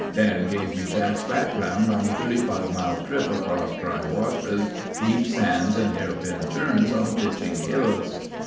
Dan gave me Jack's background on the 35 mile trip across dry washes, deep sands, and hairpin turns on pitching hills.